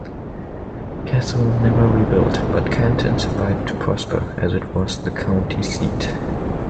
Cassville never rebuilt, but Canton survived to prosper, as it was the county seat.